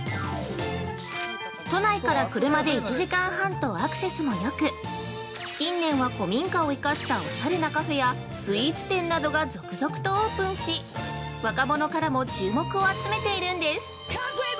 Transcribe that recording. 都内から車で１時間半とアクセスもよく近年は古民家を生かしたおしゃれなカフェやスイーツ店などが続々とオープンし若者からも注目を集めているんです。